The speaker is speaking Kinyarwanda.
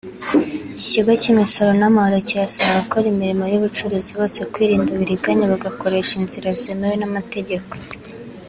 Ikigo cy’imisoro n’amahoro kirasaba abakora imirimo y’ubucuruzi bose kwirinda uburiganya bagakoresha inzira zemewe n’amategeko